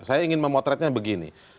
saya ingin memotretnya begini